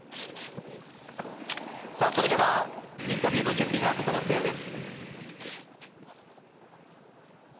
それではインタビューの準備が整ったようです。